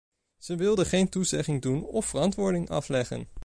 Ze wilden geen toezeggingen doen of verantwoording afleggen.